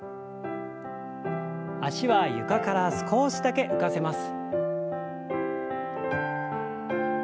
脚は床から少しだけ浮かせます。